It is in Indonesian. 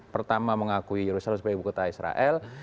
pertama mengakui yerusalem sebagai ibu kota israel